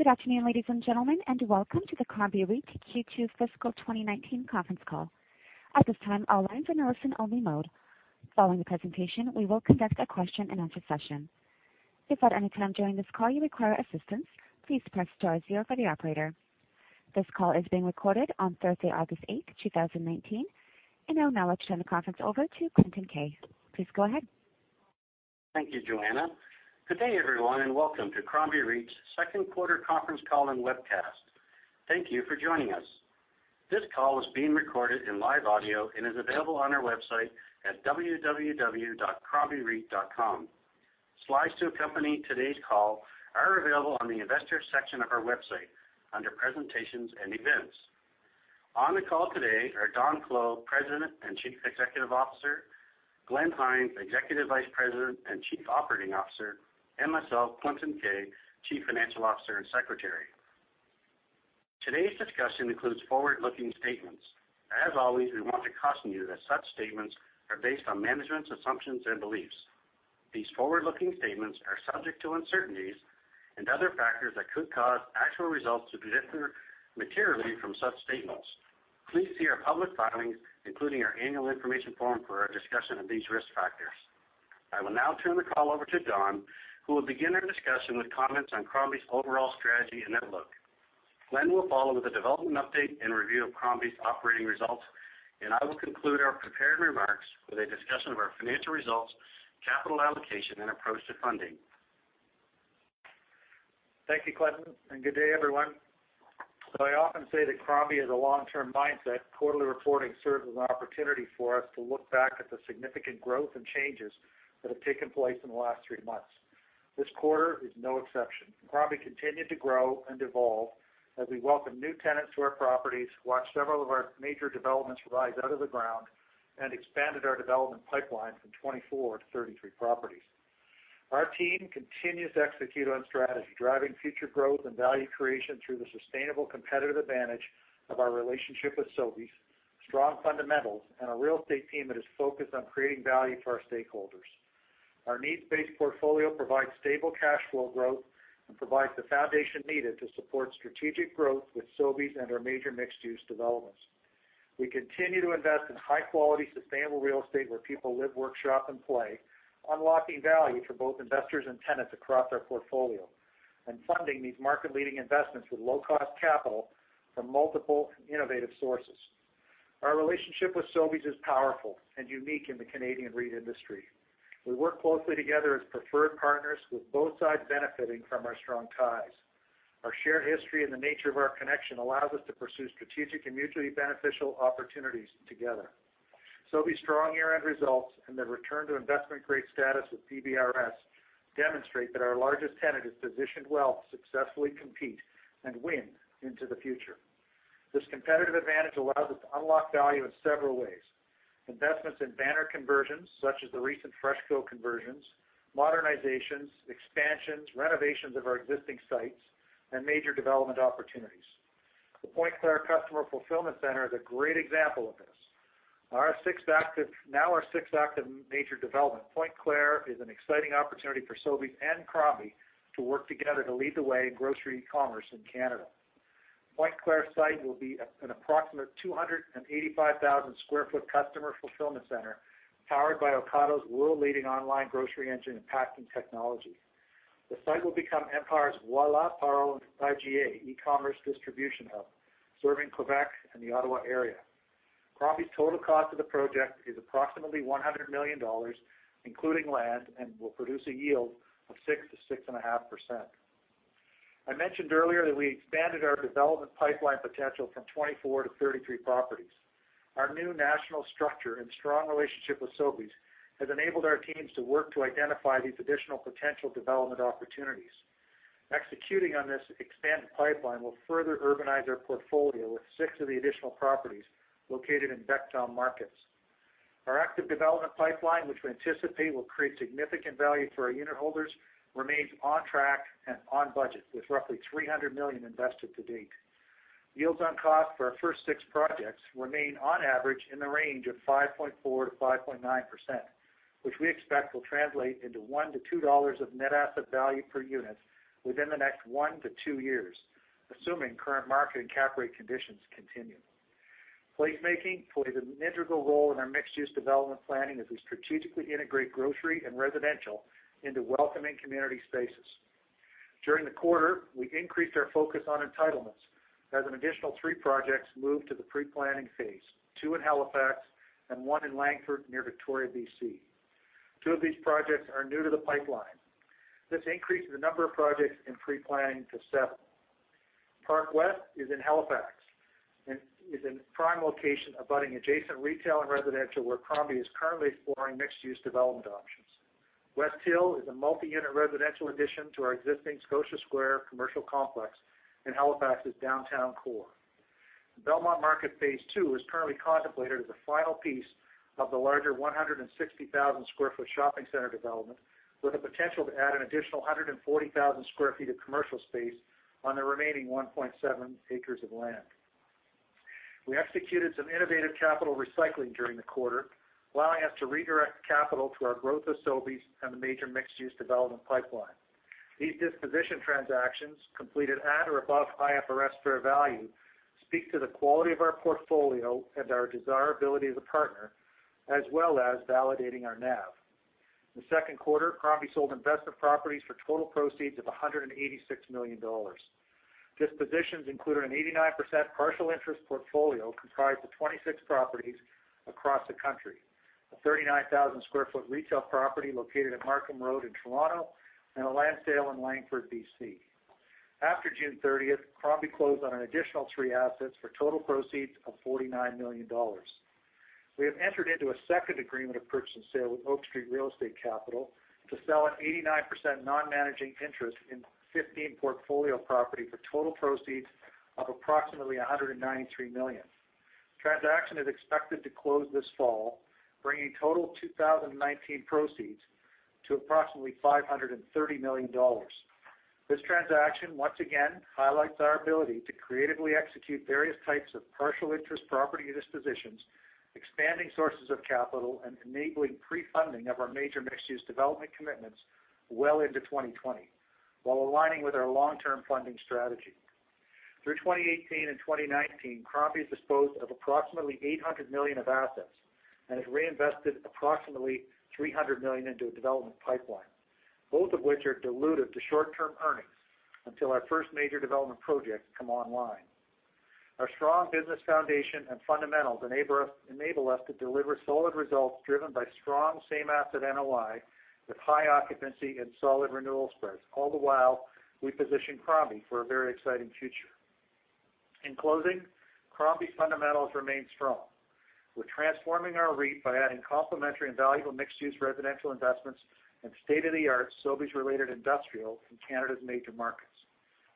Good afternoon, ladies and gentlemen, welcome to the Crombie REIT Q2 fiscal 2019 conference call. At this time, all lines are in listen only mode. Following the presentation, we will conduct a question and answer session. If at any time during this call you require assistance, please press star zero for the operator. This call is being recorded on Thursday, August 8, 2019. Now I'll turn the conference over to Clinton Keay. Please go ahead. Thank you, Joanna. Good day, everyone, and welcome to Crombie REIT's second quarter conference call and webcast. Thank you for joining us. This call is being recorded in live audio and is available on our website at www.crombiereit.com. Slides to accompany today's call are available on the Investors section of our website, under Presentations and Events. On the call today are Don Clow, President and Chief Executive Officer, Glenn Hynes, Executive Vice President and Chief Operating Officer, and myself, Clinton Keay, Chief Financial Officer and Secretary. Today's discussion includes forward-looking statements. As always, we want to caution you that such statements are based on management's assumptions and beliefs. These forward-looking statements are subject to uncertainties and other factors that could cause actual results to differ materially from such statements. Please see our public filings, including our annual information form for our discussion of these risk factors. I will now turn the call over to Don, who will begin our discussion with comments on Crombie's overall strategy and outlook. Glenn will follow with a development update and review of Crombie's operating results, and I will conclude our prepared remarks with a discussion of our financial results, capital allocation, and approach to funding. Thank you, Clinton, and good day, everyone. I often say that Crombie has a long-term mindset. Quarterly reporting serves as an opportunity for us to look back at the significant growth and changes that have taken place in the last three months. This quarter is no exception. Crombie continued to grow and evolve as we welcome new tenants to our properties, watched several of our major developments rise out of the ground, and expanded our development pipeline from 24 to 33 properties. Our team continues to execute on strategy, driving future growth and value creation through the sustainable competitive advantage of our relationship with Sobeys, strong fundamentals, and a real estate team that is focused on creating value for our stakeholders. Our needs-based portfolio provides stable cash flow growth and provides the foundation needed to support strategic growth with Sobeys and our major mixed-use developments. We continue to invest in high-quality, sustainable real estate where people live, work, shop, and play, unlocking value for both investors and tenants across our portfolio, and funding these market-leading investments with low-cost capital from multiple innovative sources. Our relationship with Sobeys is powerful and unique in the Canadian REIT industry. We work closely together as preferred partners, with both sides benefiting from our strong ties. Our shared history and the nature of our connection allows us to pursue strategic and mutually beneficial opportunities together. Sobeys' strong year-end results and their return to investment-grade status with DBRS demonstrate that our largest tenant is positioned well to successfully compete and win into the future. This competitive advantage allows us to unlock value in several ways. Investments in banner conversions, such as the recent FreshCo conversions, modernizations, expansions, renovations of our existing sites, and major development opportunities. The Pointe-Claire Customer Fulfillment Center is a great example of this. Now our sixth active major development, Pointe-Claire is an exciting opportunity for Sobeys and Crombie to work together to lead the way in grocery commerce in Canada. Pointe-Claire site will be an approximate 285,000 sq ft Customer Fulfillment Center powered by Ocado's world-leading online grocery engine and packing technology. The site will become Empire's Voilà, Metro and IGA e-commerce distribution hub, serving Quebec and the Ottawa area. Crombie's total cost of the project is approximately 100 million dollars, including land, and will produce a yield of 6%-6.5%. I mentioned earlier that we expanded our development pipeline potential from 24 to 33 properties. Our new national structure and strong relationship with Sobeys has enabled our teams to work to identify these additional potential development opportunities. Executing on this expanded pipeline will further urbanize our portfolio with six of the additional properties located in VECTOM markets. Our active development pipeline, which we anticipate will create significant value for our unit holders, remains on track and on budget, with roughly 300 million invested to date. Yields on cost for our first six projects remain, on average, in the range of 5.4%-5.9%, which we expect will translate into 1-2 dollars of net asset value per unit within the next one to two years, assuming current market and cap rate conditions continue. Placemaking plays an integral role in our mixed-use development planning as we strategically integrate grocery and residential into welcoming community spaces. During the quarter, we increased our focus on entitlements as an additional three projects moved to the pre-planning phase, two in Halifax and one in Langford near Victoria, BC. Two of these projects are new to the pipeline. This increases the number of projects in pre-planning to seven. Park West is in Halifax and is in a prime location abutting adjacent retail and residential, where Crombie is currently exploring mixed-use development options. Westhill is a multi-unit residential addition to our existing Scotia Square commercial complex in Halifax's downtown core. Belmont Market phase two is currently contemplated as the final piece of the larger 160,000 square foot shopping center development, with the potential to add an additional 140,000 square feet of commercial space on the remaining 1.7 acres of land. We executed some innovative capital recycling during the quarter, allowing us to redirect capital to our growth facilities and the major mixed-use development pipeline. These disposition transactions, completed at or above IFRS fair value, speak to the quality of our portfolio and our desirability as a partner, as well as validating our NAV. In the second quarter, Crombie sold investment properties for total proceeds of 186 million dollars. Dispositions included an 89% partial interest portfolio comprised of 26 properties across the country, a 39,000 sq ft retail property located at Markham Road in Toronto, and a land sale in Langford, B.C. After June 30th, Crombie closed on an additional three assets for total proceeds of 49 million dollars. We have entered into a second agreement of purchase and sale with Oak Street Real Estate Capital to sell an 89% non-managing interest in 15 portfolio property for total proceeds of approximately 193 million. Transaction is expected to close this fall, bringing total 2019 proceeds to approximately 530 million dollars. This transaction, once again, highlights our ability to creatively execute various types of partial interest property dispositions, expanding sources of capital, and enabling pre-funding of our major mixed-use development commitments well into 2020, while aligning with our long-term funding strategy. Through 2018 and 2019, Crombie disposed of approximately 800 million of assets and has reinvested approximately 300 million into a development pipeline, both of which are dilutive to short-term earnings until our first major development projects come online. Our strong business foundation and fundamentals enable us to deliver solid results, driven by strong same asset NOI with high occupancy and solid renewal spreads. All the while, we position Crombie for a very exciting future. In closing, Crombie fundamentals remain strong. We're transforming our REIT by adding complementary and valuable mixed-use residential investments and state-of-the-art Sobeys-related industrial in Canada's major markets.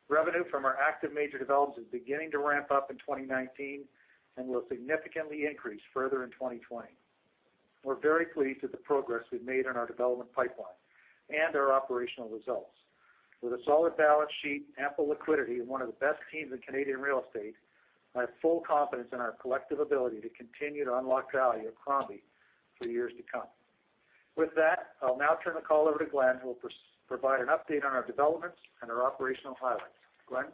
Revenue from our active major developments is beginning to ramp up in 2019 and will significantly increase further in 2020. We're very pleased with the progress we've made on our development pipeline and our operational results. With a solid balance sheet, ample liquidity, and one of the best teams in Canadian real estate, I have full confidence in our collective ability to continue to unlock value at Crombie for years to come. With that, I'll now turn the call over to Glenn, who will provide an update on our developments and our operational highlights. Glenn?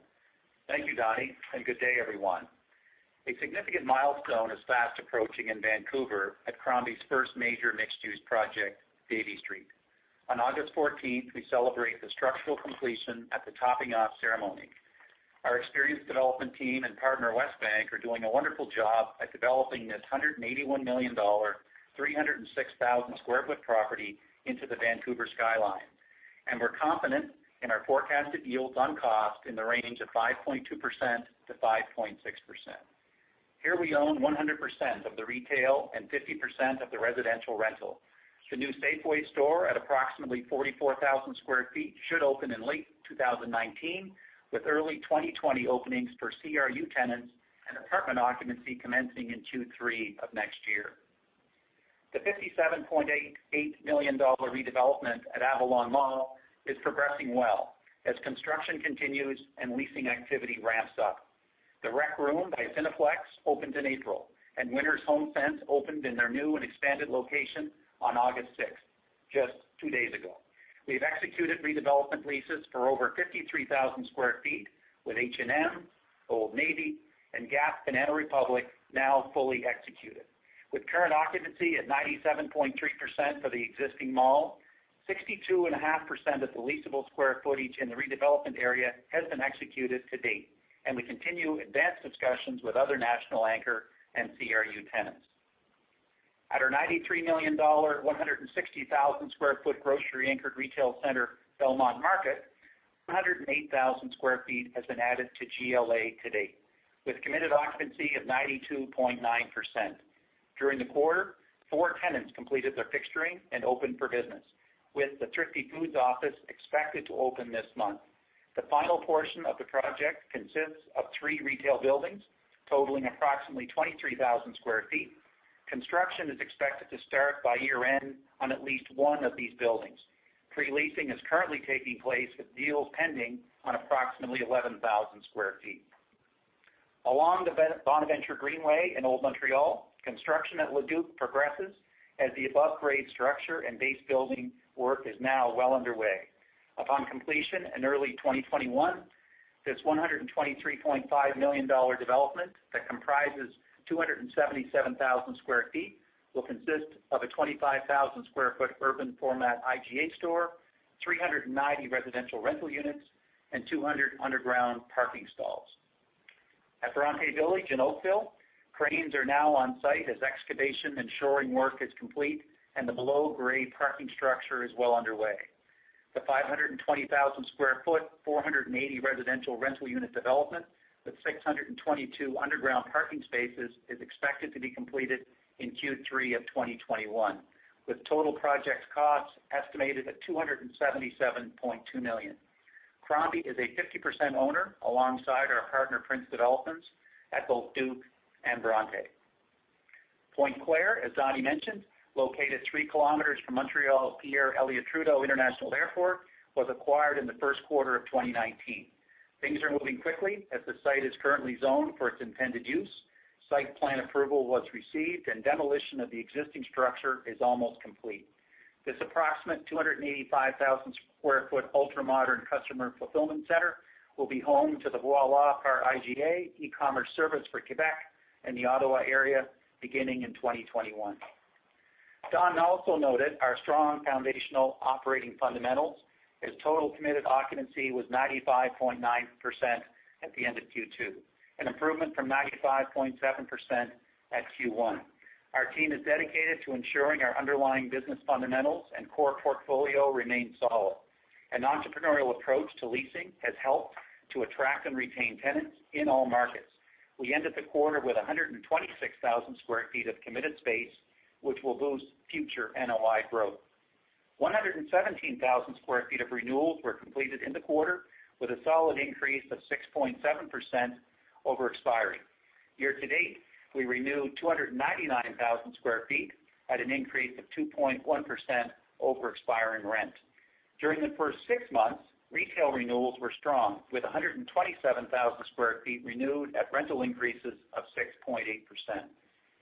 Thank you, Donnie. Good day, everyone. A significant milestone is fast approaching in Vancouver at Crombie's first major mixed-use project, Davie Street. On August 14th, we celebrate the structural completion at the topping off ceremony. Our experienced development team and partner Westbank are doing a wonderful job at developing this 181 million dollar, 306,000 sq ft property into the Vancouver skyline. We're confident in our forecasted yields on cost in the range of 5.2%-5.6%. Here, we own 100% of the retail and 50% of the residential rental. The new Safeway store, at approximately 44,000 sq ft, should open in late 2019, with early 2020 openings for CRU tenants and apartment occupancy commencing in Q3 of next year. The 57.88 million dollar redevelopment at Avalon Mall is progressing well as construction continues and leasing activity ramps up. The Rec Room by Cineplex opened in April, and Winners HomeSense opened in their new and expanded location on August 6th, just two days ago. We have executed redevelopment leases for over 53,000 sq ft with H&M, Old Navy, and Gap, Banana Republic now fully executed. With current occupancy at 97.3% for the existing mall, 62.5% of the leasable sq ft in the redevelopment area has been executed to date, and we continue advanced discussions with other national anchor and CRU tenants. At our 93 million dollar 160,000 sq ft grocery anchored retail center, Belmont Market, 108,000 sq ft has been added to GLA to date, with committed occupancy of 92.9%. During the quarter, four tenants completed their fixturing and opened for business, with the Thrifty Foods office expected to open this month. The final portion of the project consists of three retail buildings totaling approximately 23,000 sq ft. Construction is expected to start by year-end on at least one of these buildings. Pre-leasing is currently taking place, with deals pending on approximately 11,000 square feet. Along the Bonaventure Greenway in Old Montreal, construction at Le Duke progresses as the above-grade structure and base building work is now well underway. Upon completion in early 2021, this 123.5 million dollar development that comprises 277,000 square feet will consist of a 25,000 square foot urban format IGA store, 390 residential rental units, and 200 underground parking stalls. At Bronte Village in Oakville, cranes are now on site as excavation and shoring work is complete and the below-grade parking structure is well underway. The 520,000 square foot, 480 residential rental unit development with 622 underground parking spaces is expected to be completed in Q3 of 2021, with total project costs estimated at 277.2 million. Crombie is a 50% owner alongside our partner Prince Developments at both Duke and Bronte. Pointe-Claire, as Donnie mentioned, located 3 kilometers from Montréal-Pierre Elliott Trudeau International Airport, was acquired in the first quarter of 2019. Things are moving quickly as the site is currently zoned for its intended use. Site plan approval was received and demolition of the existing structure is almost complete. This approximate 285,000 sq ft ultra-modern customer fulfillment center will be home to the Voilà par IGA e-commerce service for Quebec and the Ottawa area beginning in 2021. Don also noted our strong foundational operating fundamentals as total committed occupancy was 95.9% at the end of Q2, an improvement from 95.7% at Q1. Our team is dedicated to ensuring our underlying business fundamentals and core portfolio remain solid. An entrepreneurial approach to leasing has helped to attract and retain tenants in all markets. We end the quarter with 126,000 sq ft of committed space, which will boost future NOI growth. 117,000 sq ft of renewals were completed in the quarter with a solid increase of 6.7% over expiry. Year-to-date, we renewed 299,000 sq ft at an increase of 2.1% over expiring rent. During the first six months, retail renewals were strong, with 127,000 sq ft renewed at rental increases of 6.8%.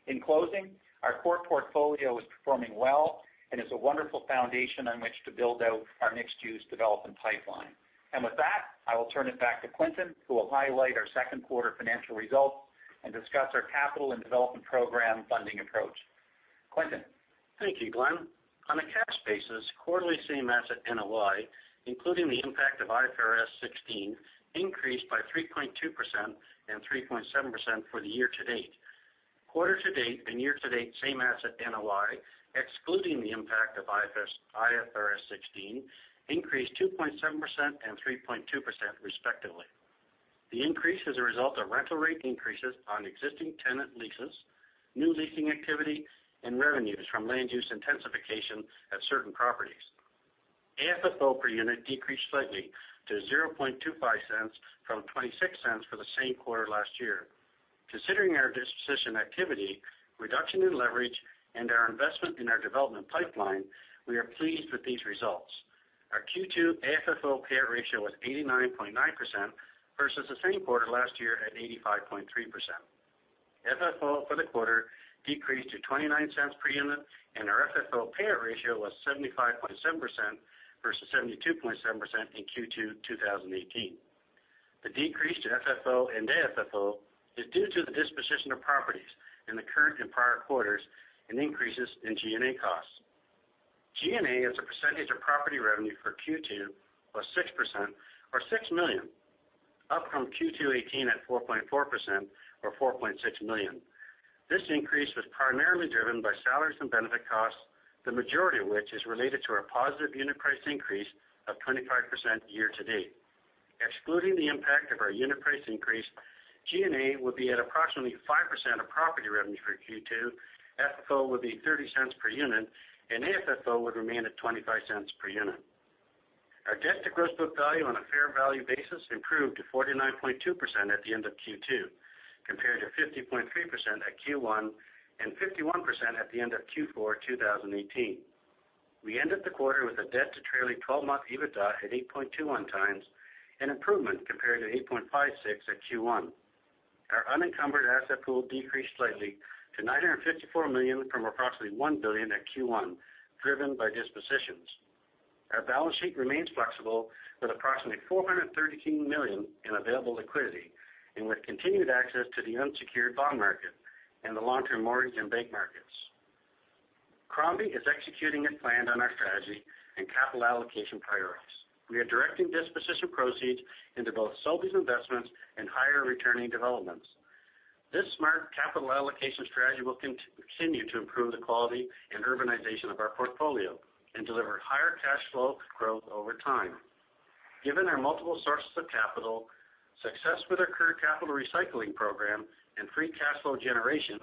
In closing, our core portfolio is performing well and is a wonderful foundation on which to build out our mixed-use development pipeline. With that, I will turn it back to Clinton, who will highlight our second quarter financial results and discuss our capital and development program funding approach. Clinton. Thank you, Glenn. On a cash basis, quarterly same asset NOI, including the impact of IFRS 16, increased by 3.2% and 3.7% for the year-to-date. Quarter-to-date and year-to-date same asset NOI, excluding the impact of IFRS 16, increased 2.7% and 3.2% respectively. The increase is a result of rental rate increases on existing tenant leases, new leasing activity, and revenues from land use intensification at certain properties. AFFO per unit decreased slightly to 0.0025 from 0.26 for the same quarter last year. Considering our disposition activity, reduction in leverage, and our investment in our development pipeline, we are pleased with these results. Our Q2 AFFO payout ratio was 89.9% versus the same quarter last year at 85.3%. FFO for the quarter decreased to 0.29 per unit, and our FFO payout ratio was 75.7% versus 72.7% in Q2 2018. The decrease to FFO and AFFO is due to the disposition of properties in the current and prior quarters and increases in G&A costs. G&A as a percentage of property revenue for Q2 was 6% or 6 million, up from Q2 2018 at 4.4% or 4.6 million. This increase was primarily driven by salaries and benefit costs, the majority of which is related to our positive unit price increase of 25% year to date. Excluding the impact of our unit price increase, G&A would be at approximately 5% of property revenue for Q2, FFO would be 0.30 per unit, and AFFO would remain at 0.25 per unit. Our debt to gross book value on a fair value basis improved to 49.2% at the end of Q2, compared to 50.3% at Q1 and 51% at the end of Q4 2018. We ended the quarter with a debt to trailing 12-month EBITDA at 8.21 times, an improvement compared to 8.56 at Q1. Our unencumbered asset pool decreased slightly to 954 million from approximately 1 billion at Q1, driven by dispositions. Our balance sheet remains flexible with approximately 413 million in available liquidity and with continued access to the unsecured bond market and the long-term mortgage and bank markets. Crombie is executing as planned on our strategy and capital allocation priorities. We are directing disposition proceeds into both Sobeys investments and higher returning developments. This smart capital allocation strategy will continue to improve the quality and urbanization of our portfolio and deliver higher cash flow growth over time. Given our multiple sources of capital, success with our current capital recycling program, and free cash flow generation,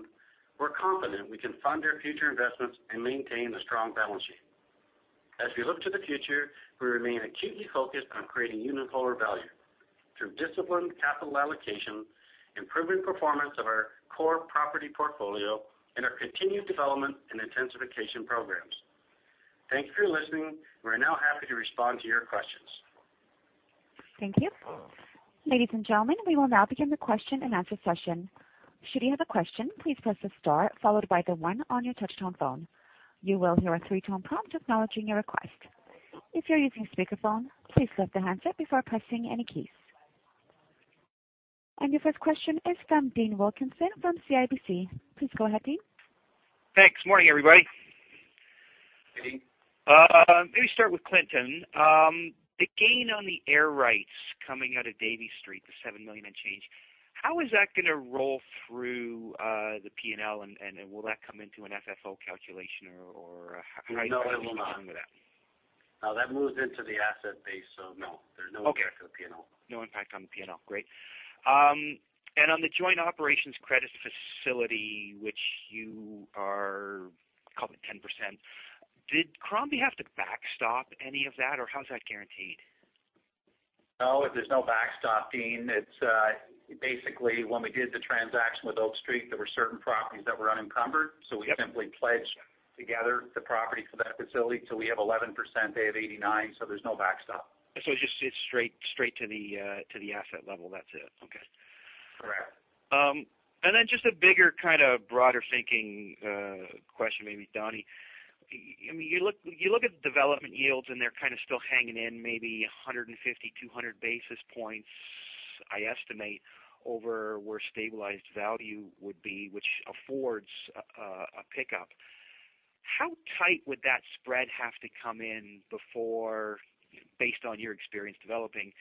we're confident we can fund our future investments and maintain a strong balance sheet. As we look to the future, we remain acutely focused on creating unitholder value through disciplined capital allocation, improving performance of our core property portfolio, and our continued development and intensification programs. Thank you for listening. We are now happy to respond to your questions. Thank you. Ladies and gentlemen, we will now begin the question and answer session. Should you have a question, please press the star followed by the one on your touchtone phone. You will hear a three-tone prompt acknowledging your request. If you're using speakerphone, please lift the handset before pressing any keys. Your first question is from Dean Wilkinson from CIBC. Please go ahead, Dean. Thanks. Morning, everybody. Good day. Maybe start with Clinton. The gain on the air rights coming out of Davie Street, the 7 million and change, how is that going to roll through the P&L, and will that come into an FFO calculation? No, it will not. How do you account for that? No, that moves into the asset base. Okay impact to the P&L. No impact on the P&L. Great. On the joint operations credit facility, did Crombie have to backstop any of that, or how's that guaranteed? No, there's no backstop, Dean. Basically, when we did the transaction with Oak Street, there were certain properties that were unencumbered. We simply pledged together the property for that facility, till we have 11%, they have 89. There's no backstop. It's just straight to the asset level. That's it. Okay. Correct. Just a bigger, broader thinking question maybe, Donnie. You look at development yields, and they're still hanging in maybe 150, 200 basis points, I estimate, over where stabilized value would be, which affords a pickup. How tight would that spread have to come in before, based on your experience developing,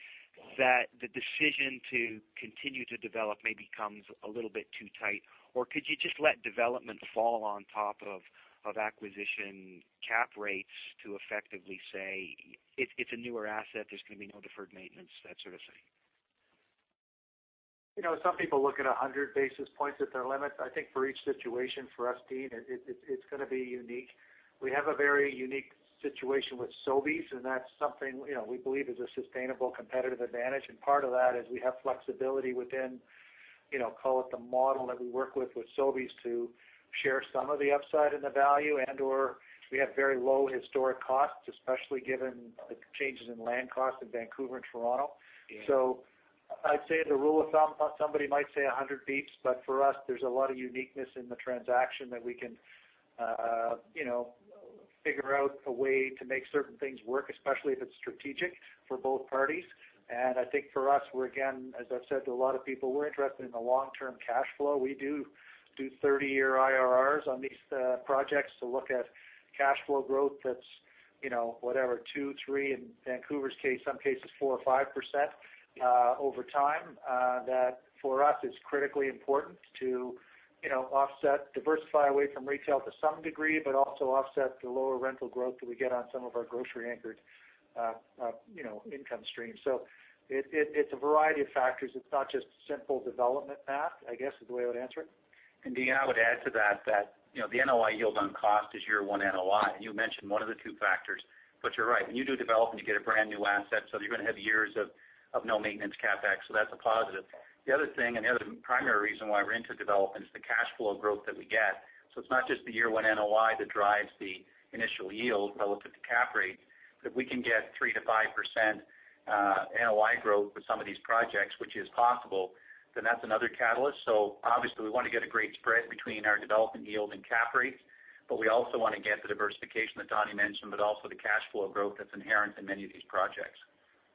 that the decision to continue to develop maybe comes a little bit too tight? Could you just let development fall on top of acquisition cap rates to effectively say, it's a newer asset, there's going to be no deferred maintenance, that sort of thing? Some people look at 100 basis points as their limit. I think for each situation for us, Dean, it's going to be unique. We have a very unique situation with Sobeys. That's something we believe is a sustainable competitive advantage. Part of that is we have flexibility within, call it the model that we work with with Sobeys to share some of the upside in the value, and/or we have very low historic costs, especially given the changes in land costs in Vancouver and Toronto. Yeah. I'd say the rule of thumb, somebody might say 100 basis points, but for us, there's a lot of uniqueness in the transaction that we can figure out a way to make certain things work, especially if it's strategic for both parties. I think for us, we're again, as I've said to a lot of people, we're interested in the long-term cash flow. We do 30-year IRRs on these projects to look at cash flow growth that's, whatever, 2%, 3%, in Vancouver's case, some cases 4% or 5% over time. That for us, is critically important to diversify away from retail to some degree, but also offset the lower rental growth that we get on some of our grocery-anchored income streams. It's a variety of factors. It's not just a simple development math, I guess, is the way I would answer it. Dean, I would add to that the NOI yield on cost is year one NOI. You mentioned one of the two factors. You’re right. When you do development, you get a brand-new asset, so you’re going to have years of no maintenance CapEx, so that’s a positive. The other thing, and the other primary reason why we’re into development is the cash flow growth that we get. It’s not just the year one NOI that drives the initial yield relative to cap rate. If we can get 3%-5% NOI growth with some of these projects, which is possible, that’s another catalyst. Obviously we want to get a great spread between our development yield and cap rate, but we also want to get the diversification that Donnie mentioned, but also the cash flow growth that’s inherent in many of these projects.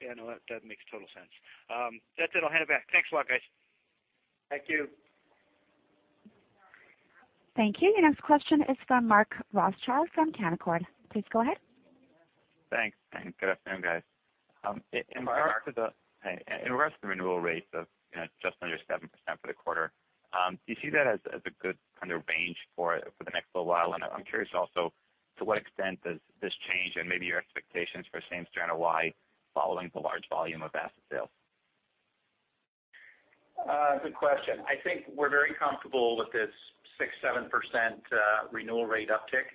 Yeah, no, that makes total sense. That's it. I'll hand it back. Thanks a lot, guys. Thank you. Thank you. Your next question is from Mark Rothschild from Canaccord. Please go ahead. Thanks and good afternoon, guys. Mark. In regards to the renewal rates of just under 7% for the quarter, do you see that as a good range for the next little while? I'm curious also, to what extent does this change and maybe your expectations for same-store NOI following the large volume of asset sales? Good question. I think we're very comfortable with this 6%, 7% renewal rate uptick.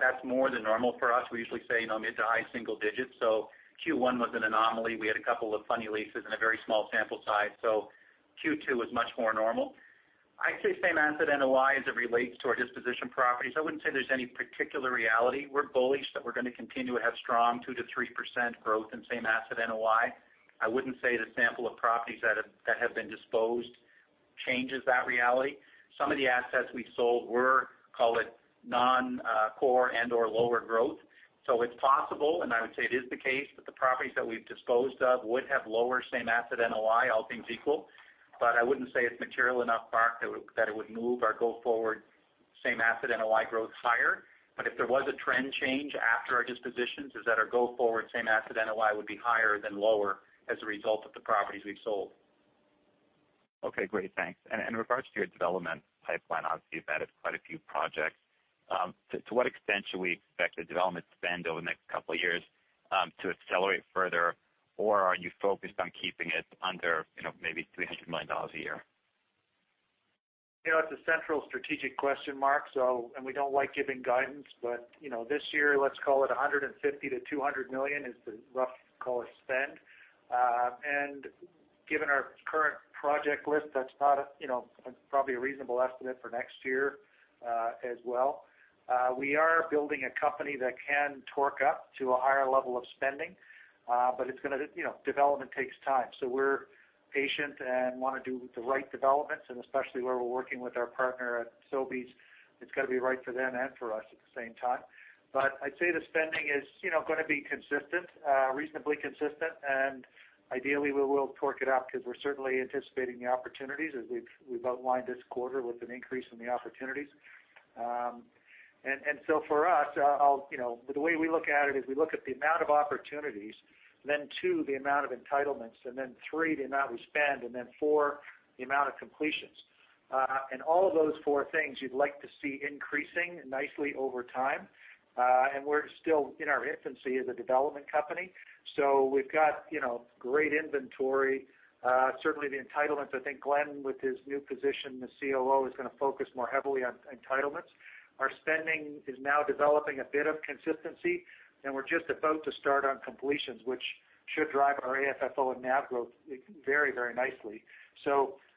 That's more than normal for us. We usually say mid to high single digits. Q1 was an anomaly. We had a couple of funny leases and a very small sample size. Q2 was much more normal. I'd say same asset NOI, as it relates to our disposition properties, I wouldn't say there's any particular reality. We're bullish that we're going to continue to have strong 2% to 3% growth in same asset NOI. I wouldn't say the sample of properties that have been disposed changes that reality. Some of the assets we sold were, call it non-core and/or lower growth. It's possible, and I would say it is the case, that the properties that we've disposed of would have lower same asset NOI, all things equal. I wouldn't say it's material enough, Mark, that it would move our go-forward same asset NOI growth higher. If there was a trend change after our dispositions, is that our go-forward same asset NOI would be higher than lower as a result of the properties we've sold. Okay, great. Thanks. In regards to your development pipeline, obviously you've added quite a few projects. To what extent should we expect the development spend over the next couple of years to accelerate further? Are you focused on keeping it under maybe 300 million dollars a year? It's a central strategic question, Mark. We don't like giving guidance, but this year, let's call it 150 million-200 million is the rough spend. Given our current project list, that's probably a reasonable estimate for next year as well. Development takes time. We're patient and want to do the right developments, and especially where we're working with our partner at Sobeys, it's got to be right for them and for us at the same time. I'd say the spending is going to be consistent, reasonably consistent, and ideally, we will torque it up because we're certainly anticipating the opportunities as we've outlined this quarter with an increase in the opportunities. For us, the way we look at it is we look at the amount of opportunities, then two, the amount of entitlements, then three, the amount we spend, then four, the amount of completions. All of those four things you'd like to see increasing nicely over time. We're still in our infancy as a development company. We've got great inventory. Certainly the entitlements, I think Glenn, with his new position as COO, is going to focus more heavily on entitlements. Our spending is now developing a bit of consistency, and we're just about to start on completions, which should drive our AFFO and NAV growth very, very nicely.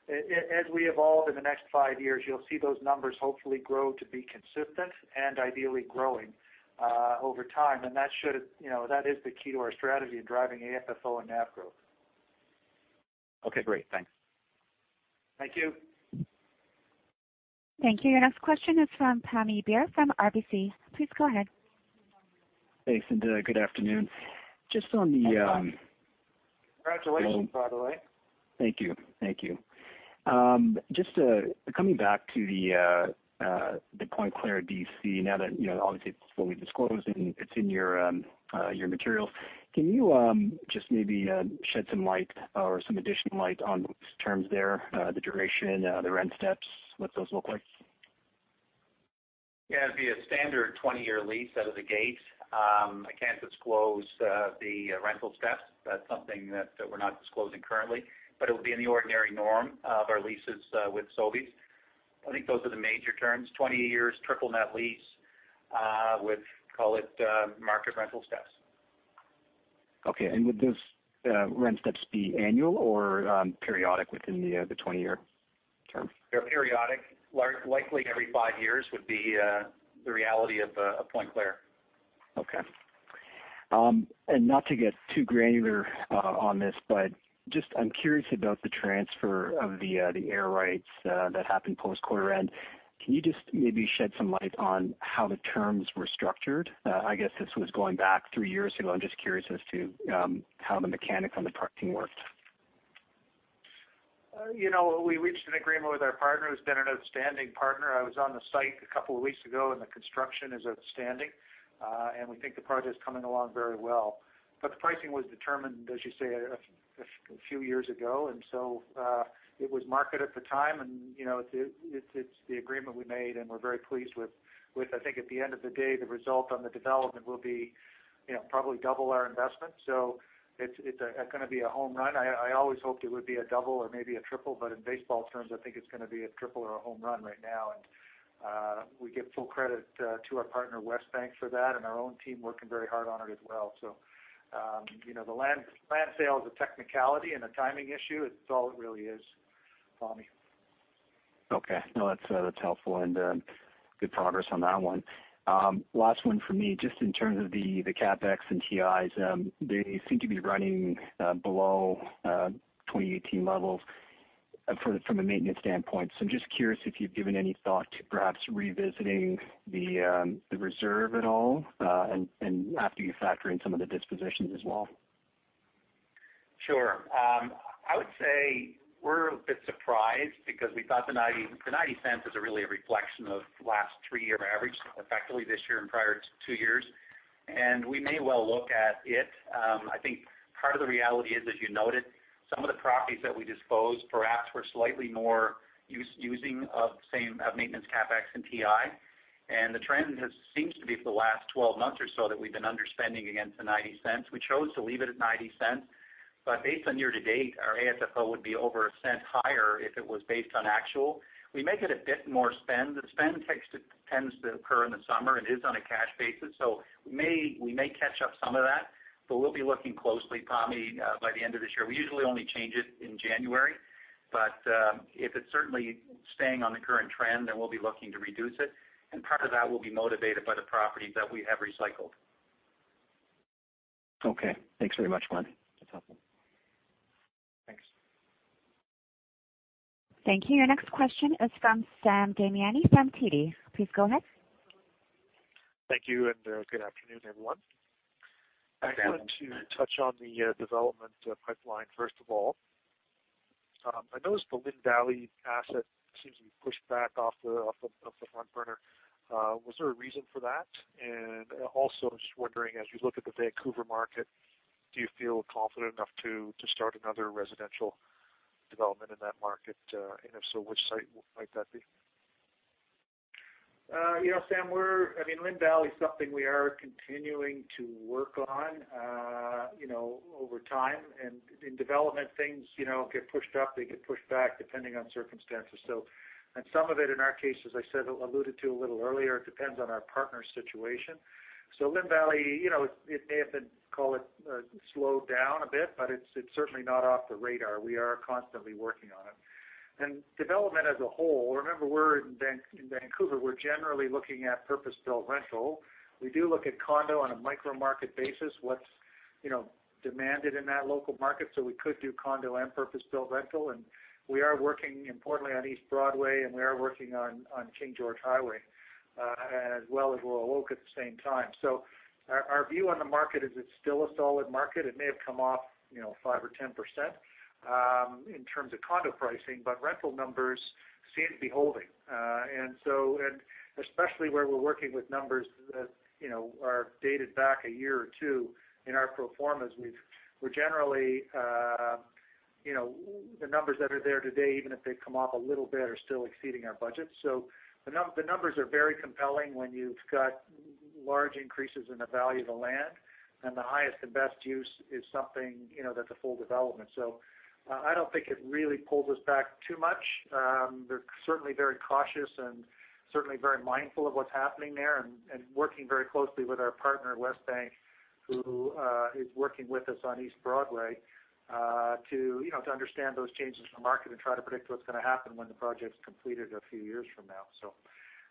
As we evolve in the next five years, you'll see those numbers hopefully grow to be consistent and ideally growing over time. That is the key to our strategy in driving AFFO and NAV growth. Okay, great. Thanks. Thank you. Thank you. Your next question is from Pammi Bir from RBC. Please go ahead. Thanks, and good afternoon. Congratulations, by the way. Thank you. Just coming back to the Pointe-Claire DC, now that obviously it is fully disclosed, and it is in your materials. Can you just maybe shed some light or some additional light on terms there, the duration, the rent steps, what those look like? It'd be a standard 20-year lease out of the gate. I can't disclose the rental steps. That's something that we're not disclosing currently, but it would be in the ordinary norm of our leases with Sobeys. I think those are the major terms, 20 years, triple net lease, with, call it, market rental steps. Okay. Would those rent steps be annual or periodic within the 20-year term? They're periodic. Likely every five years would be the reality of Pointe-Claire. Okay. Not to get too granular on this, but just I'm curious about the transfer of the air rights that happened post-quarter end. Can you just maybe shed some light on how the terms were structured? I guess this was going back three years ago. I'm just curious as to how the mechanics on the pricing worked. We reached an agreement with our partner, who's been an outstanding partner. I was on the site a couple of weeks ago, and the construction is outstanding. We think the project is coming along very well. The pricing was determined, as you say, a few years ago. It was market at the time, and it's the agreement we made, and we're very pleased with. I think at the end of the day, the result on the development will be probably double our investment. It's going to be a home run. I always hoped it would be a double or maybe a triple, but in baseball terms, I think it's going to be a triple or a home run right now. We give full credit to our partner, Westbank, for that and our own team working very hard on it as well. The land sale is a technicality and a timing issue. It's all it really is, Pammi. Okay. No, that's helpful and good progress on that one. Last one for me, just in terms of the CapEx and TIs. They seem to be running below 2018 levels from a maintenance standpoint. I'm just curious if you've given any thought to perhaps revisiting the reserve at all, and after you factor in some of the dispositions as well. Sure. I would say we're a bit surprised because we thought the 0.90 is really a reflection of the last three-year average, effectively this year and prior two years. We may well look at it. I think part of the reality is, as you noted, some of the properties that we disposed perhaps were slightly more using of the same maintenance CapEx and TI. The trend seems to be for the last 12 months or so that we've been underspending against the 0.90. We chose to leave it at 0.90. Based on year-to-date, our AFFO would be over CAD 0.01 higher if it was based on actual. We may get a bit more spend. The spend tends to occur in the summer and is on a cash basis. We may catch up some of that, but we'll be looking closely, Pammi, by the end of this year. We usually only change it in January. If it's certainly staying on the current trend, we'll be looking to reduce it. Part of that will be motivated by the properties that we have recycled. Okay. Thanks very much, Glenn. That's helpful. Thanks. Thank you. Your next question is from Sam Damiani from TD. Please go ahead. Thank you, and good afternoon, everyone. Sam. I want to touch on the development pipeline, first of all. I noticed the Lynn Valley asset seems to be pushed back off the front burner. Was there a reason for that? Just wondering, as you look at the Vancouver market, do you feel confident enough to start another residential development in that market? If so, which site might that be? Sam, Lynn Valley is something we are continuing to work on over time. In development, things get pushed up, they get pushed back, depending on circumstances. Some of it, in our case, as I said, alluded to a little earlier, depends on our partner situation. Lynn Valley, it may have been, call it, slowed down a bit, but it's certainly not off the radar. We are constantly working on it. Development as a whole, remember, we're in Vancouver. We're generally looking at purpose-built rental. We do look at condo on a micro-market basis, what's demanded in that local market. We could do condo and purpose-built rental. We are working importantly on East Broadway, and we are working on King George Highway, as well as Willow Oak at the same time. Our view on the market is it's still a solid market. It may have come off 5% or 10% in terms of condo pricing, rental numbers seem to be holding. Especially where we're working with numbers that are dated back a year or two in our pro formas, the numbers that are there today, even if they come off a little bit, are still exceeding our budget. The numbers are very compelling when you've got large increases in the value of the land, and the highest and best use is something that's a full development. I don't think it really pulls us back too much. They're certainly very cautious and certainly very mindful of what's happening there and working very closely with our partner, Westbank, who is working with us on East Broadway, to understand those changes in the market and try to predict what's going to happen when the project's completed a few years from now.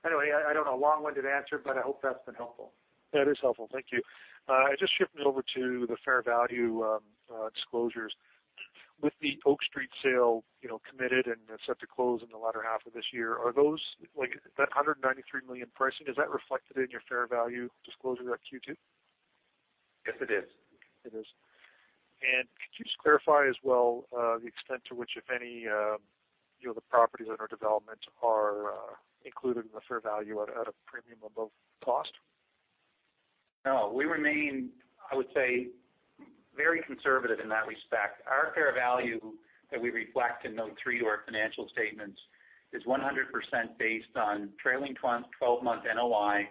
Anyway, I don't know. A long-winded answer, but I hope that's been helpful. That is helpful. Thank you. Just shifting it over to the fair value disclosures. With the Oak Street sale committed and set to close in the latter half of this year, that 193 million pricing, is that reflected in your fair value disclosure at Q2? Yes, it is. It is. Could you just clarify as well, the extent to which, if any, the properties that are in development are included in the fair value at a premium above cost? No. We remain, I would say, very conservative in that respect. Our fair value that we reflect in Note 3 to our financial statements is 100% based on trailing 12-month NOI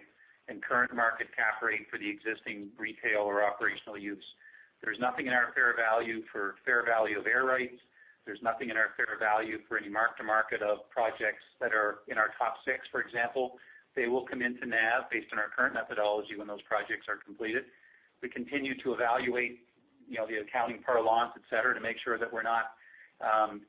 and current market cap rate for the existing retail or operational use. There's nothing in our fair value for fair value of air rights. There's nothing in our fair value for any mark-to-market of projects that are in our top six, for example. They will come into NAV based on our current methodology when those projects are completed. We continue to evaluate the accounting per launch, et cetera, to make sure that we're not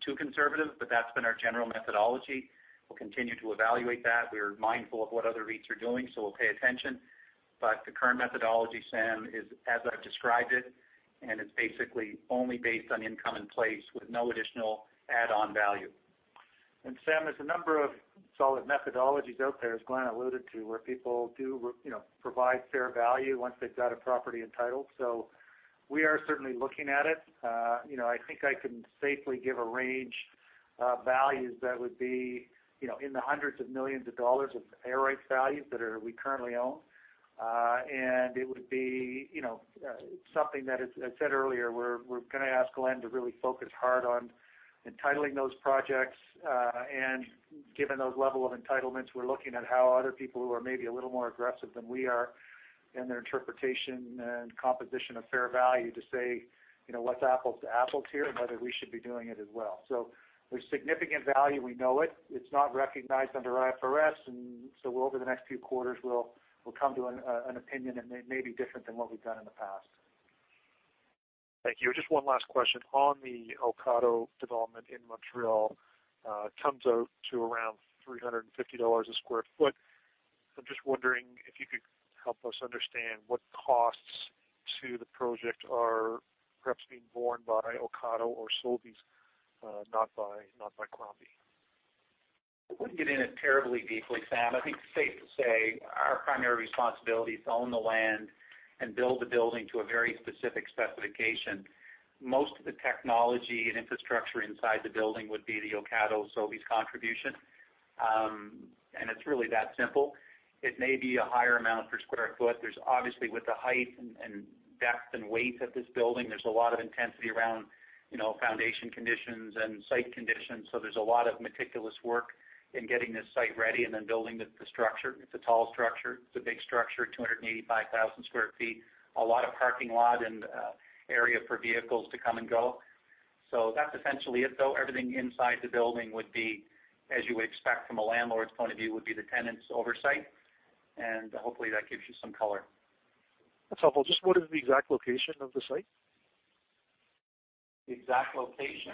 too conservative. That's been our general methodology. We'll continue to evaluate that. We are mindful of what other REITs are doing, so we'll pay attention. The current methodology, Sam, is as I've described it, and it's basically only based on income in place with no additional add-on value. Sam, there's a number of solid methodologies out there, as Glenn alluded to, where people do provide fair value once they've got a property entitled. We are certainly looking at it. I think I can safely give a range of values that would be in the hundreds of millions of CAD of air rights values that we currently own. It would be something that, as I said earlier, we're going to ask Glenn to really focus hard on entitling those projects. Given those level of entitlements, we're looking at how other people who are maybe a little more aggressive than we are in their interpretation and composition of fair value to say, what's apples to apples here, and whether we should be doing it as well. There's significant value. We know it. It's not recognized under IFRS, and so over the next few quarters, we'll come to an opinion, and it may be different than what we've done in the past. Thank you. Just one last question. On the Ocado development in Montreal, it comes out to around 350 dollars a square foot. I'm just wondering if you could help us understand what costs to the project are perhaps being borne by Ocado or Sobeys, not by Crombie. I wouldn't get in it terribly deeply, Sam. I think it's safe to say our primary responsibility is to own the land and build the building to a very specific specification. Most of the technology and infrastructure inside the building would be the Ocado-Sobeys contribution. It's really that simple. It may be a higher amount per square foot. Obviously, with the height and depth and weight of this building, there's a lot of intensity around foundation conditions and site conditions. There's a lot of meticulous work in getting this site ready and then building the structure. It's a tall structure. It's a big structure, 285,000 square feet. A lot of parking lot and area for vehicles to come and go. That's essentially it, though. Everything inside the building, as you would expect from a landlord's point of view, would be the tenant's oversight. Hopefully, that gives you some color. That's helpful. Just what is the exact location of the site? The exact location.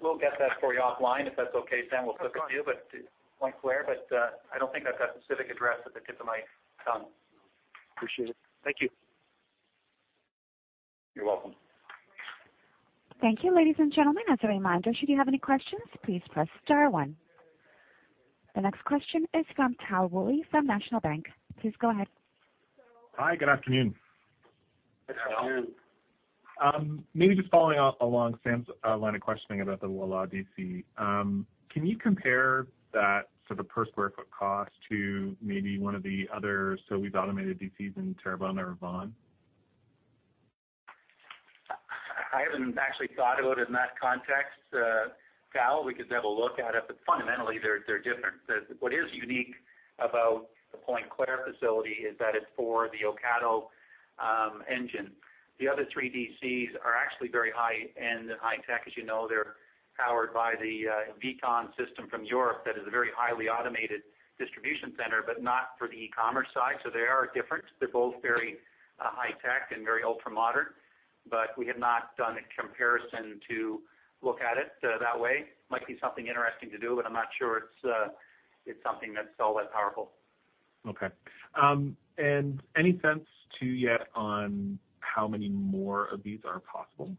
We'll get that for you offline, if that's okay, Sam. We'll flip it to you. That's fine. Pointe-Claire. I don't think I've got the civic address at the tip of my tongue. Appreciate it. Thank you. You're welcome. Thank you, ladies and gentlemen. As a reminder, should you have any questions, please press star one. The next question is from Tal Woolley from National Bank. Please go ahead. Hi, good afternoon. Good afternoon. Maybe just following up along Sam's line of questioning about the Voilà DC. Can you compare that sort of per square foot cost to maybe one of the other Sobeys automated DCs in Terrebonne or Vaughan? I haven't actually thought about it in that context, Tal. We could have a look at it, fundamentally, they're different. What is unique about the Pointe-Claire facility is that it's for the Ocado engine. The other three DCs are actually very high-end and high-tech. As you know, they're powered by the Witron system from Europe. That is a very highly automated distribution center, not for the e-commerce side. They are different. They're both very high-tech and very ultra-modern. We have not done a comparison to look at it that way. Might be something interesting to do, but I'm not sure it's something that's all that powerful. Okay. Any sense, too, yet on how many more of these are possible?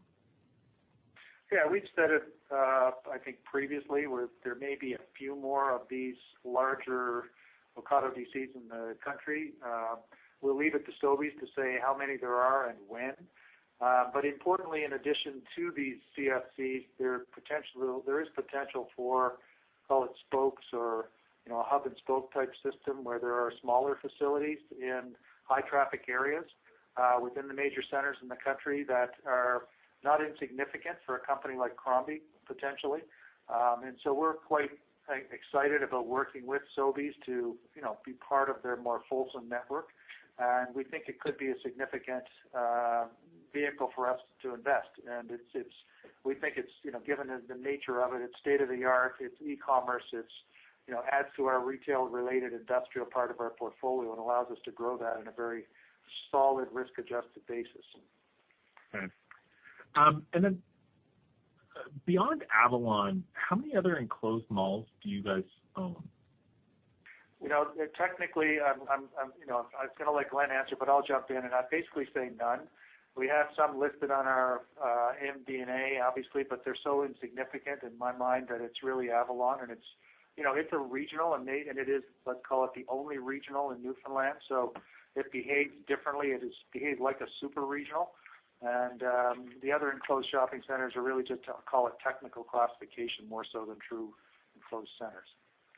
Yeah, we've said it, I think previously, where there may be a few more of these larger Ocado DCs in the country. We'll leave it to Sobeys to say how many there are and when. Importantly, in addition to these CFCs, there is potential for, call it spokes or a hub-and-spoke type system, where there are smaller facilities in high-traffic areas. Within the major centers in the country that are not insignificant for a company like Crombie, potentially. So we're quite excited about working with Sobeys to be part of their more fulsome network. We think it could be a significant vehicle for us to invest. We think, given the nature of it's state-of-the-art, it's e-commerce, it adds to our retail-related industrial part of our portfolio and allows us to grow that in a very solid risk-adjusted basis. Okay. Beyond Avalon, how many other enclosed malls do you guys own? Technically, I was going to let Glenn answer. I'll jump in, and I'd basically say none. We have some listed on our MD&A, obviously. They're so insignificant in my mind that it's really Avalon and it's a regional, and it is, let's call it, the only regional in Newfoundland. It behaves differently. It just behaves like a super regional. The other enclosed shopping centers are really just, call it, technical classification more so than true enclosed centers.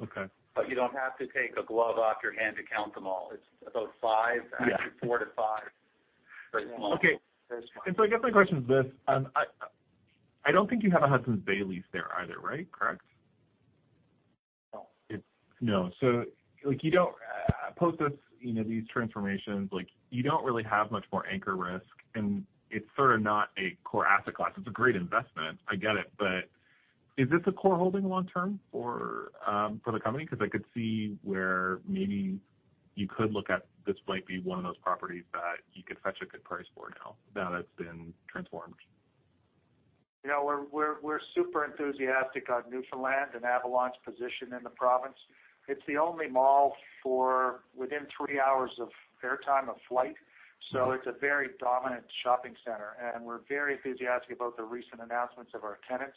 Okay. You don't have to take a glove off your hand to count them all. It's about five- Yeah. Actually four to five small malls. Okay. I guess my question is this, I don't think you have a Hudson's Bay lease there either, right? Correct? No. No. Post these transformations, you don't really have much more anchor risk, and it's sort of not a core asset class. It's a great investment, I get it, is this a core holding long term for the company? I could see where maybe you could look at this might be one of those properties that you could fetch a good price for now that it's been transformed. We're super enthusiastic on Newfoundland and Avalon's position in the province. It's the only mall within three hours of air time, of flight. It's a very dominant shopping center, and we're very enthusiastic about the recent announcements of our tenants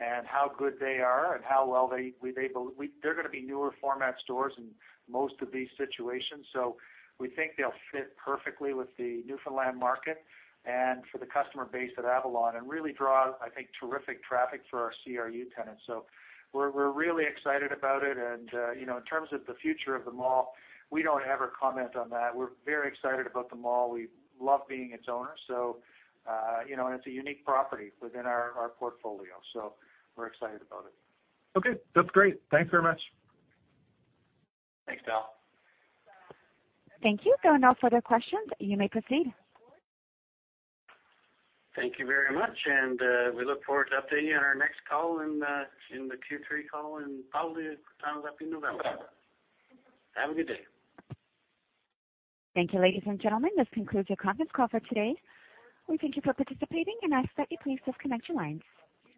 and how good they are and how well They're going to be newer format stores in most of these situations. We think they'll fit perfectly with the Newfoundland market and for the customer base at Avalon and really draw, I think, terrific traffic for our CRU tenants. We're really excited about it. In terms of the future of the mall, we don't ever comment on that. We're very excited about the mall. We love being its owner. It's a unique property within our portfolio. We're excited about it. Okay, That's great. Thanks very much. Thanks, Tal. Thank you. There are no further questions. You may proceed. Thank you very much. We look forward to updating you on our next call in the Q3 call, and probably time's up in November. Have a good day. Thank you, ladies and gentlemen. This concludes your conference call for today. We thank you for participating and ask that you please disconnect your lines.